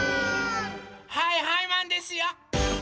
はいはいマンですよ！